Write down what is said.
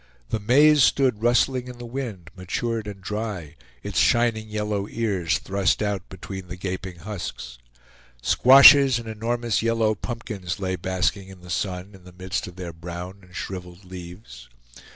The maize stood rustling in the wind, matured and dry, its shining yellow ears thrust out between the gaping husks. Squashes and enormous yellow pumpkins lay basking in the sun in the midst of their brown and shriveled leaves.